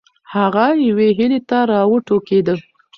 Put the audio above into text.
هغه یوې هیلې ته راوټوکېده.